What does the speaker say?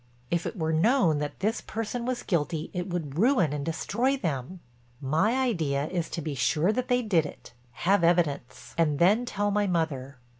If it were known that this person was guilty it would ruin and destroy them. My idea is to be sure that they did it—have evidence—and then tell my mother.